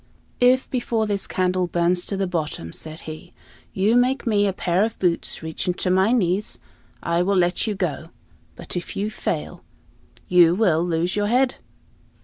"If, before this candle burns to the bottom," said he, "you make me a pair of boots reaching to my knees, I will let you go; but if you fail, you will lose your head."